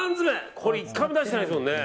これ、１回も出してないですよね。